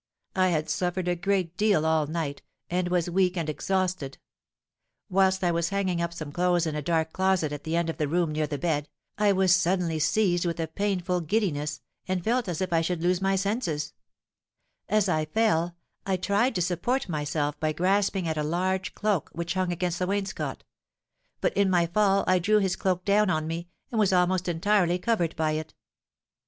I had suffered a great deal all night, and was weak and exhausted. Whilst I was hanging up some clothes in a dark closet at the end of the room near the bed, I was suddenly seized with a painful giddiness, and felt as if I should lose my senses; as I fell, I tried to support myself by grasping at a large cloak which hung against the wainscot; but in my fall I drew this cloak down on me, and was almost entirely covered by it.